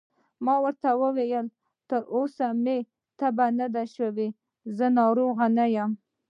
ما ورته وویل: تر اوسه مې تبه نه ده شوې، زه ناروغ نه یم.